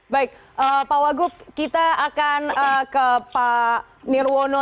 baik pak wagub kita akan ke pak nirwono